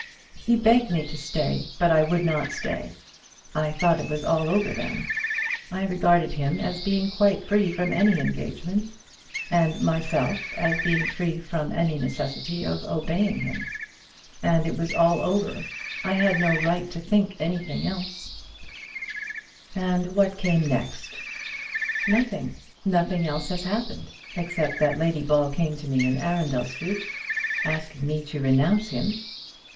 "He begged me to stay, but I would not stay. I thought it was all over then. I regarded him as being quite free from any engagement, and myself as being free from any necessity of obeying him. And it was all over. I had no right to think anything else." "And what came next?" "Nothing. Nothing else has happened, except that Lady Ball came to me in Arundel Street, asking me to renounce him."